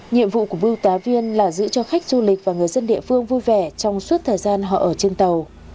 nhiệm vụ của bưu tá viên là giữ cho khách du lịch và người dân địa phương vui vẻ trong suốt thời gian họ ở trên tàu